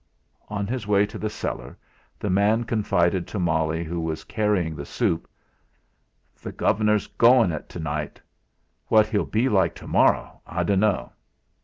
On his way to the cellar the man confided to Molly, who was carrying the soup: "The Gov'nor's going it to night! What he'll be like tomorrow I dunno."